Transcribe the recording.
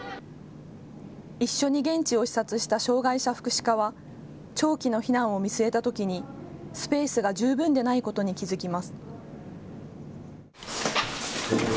一緒に現地を視察した障害者福祉課は長期の避難を見据えたときにスペースが十分でないことに気付きます。